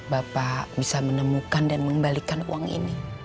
bapak bisa menemukan dan mengembalikan uang ini